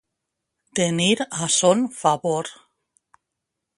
Tenir a son favor.